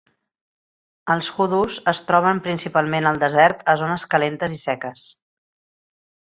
Els Hoodoos es troben principalment al desert a zones calentes i seques.